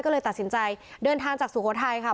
ก็เลยตัดสินใจเดินทางจากสุโขทัยค่ะ